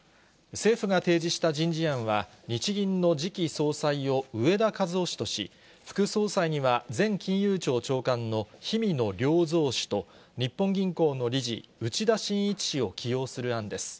政府が提示した人事案は、日銀の次期総裁を植田和男氏とし、副総裁には前金融庁長官の氷見野良三氏と、日本銀行の理事、内田眞一氏を起用する案です。